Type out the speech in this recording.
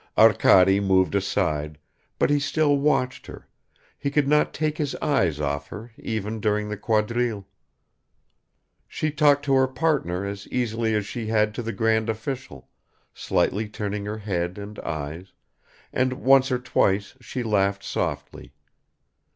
Arkady moved aside, but he still watched her; he could not take his eyes off her even during the quadrille. She talked to her partner as easily as she had to the grand official, slightly turning her head and eyes, and once or twice she laughed softly.